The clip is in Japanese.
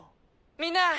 みんな！